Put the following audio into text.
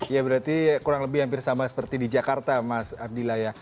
ya berarti kurang lebih hampir sama seperti di jakarta mas abdillah ya